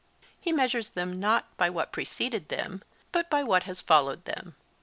He measures them not by what preceded them, but by what has followed them.